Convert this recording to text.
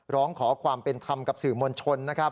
ร้องขอความเป็นคำกับสื่อมวลชน